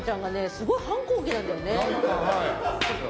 すごい反抗期なんだよ。